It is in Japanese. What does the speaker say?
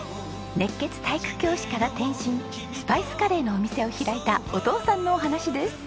熱血体育教師から転身スパイスカレーのお店を開いたお父さんのお話です。